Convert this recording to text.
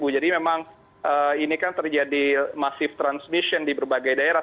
jadi memang ini kan terjadi masif transmission di berbagai daerah